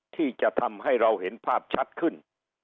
ที่จะทำให้เราเห็นภาพชัดขึ้น